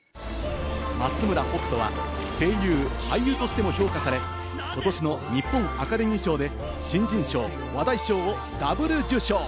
松村北斗は声優、俳優としても評価され、ことしの日本アカデミー賞で新人賞、話題賞をダブル受賞。